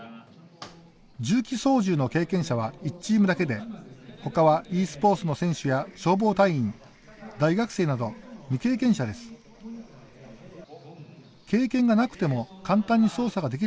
重機操縦の経験者は１チームだけで他はｅスポーツの選手や消防隊員、大学生など未経験者です。